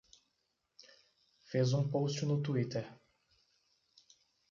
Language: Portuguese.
Fez um post no Twitter